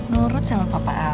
nurut sama papa al